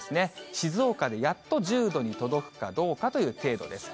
静岡でやっと１０度に届くかどうかという程度です。